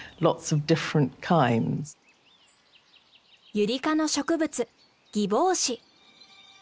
ユリ科の植物ギボウシ。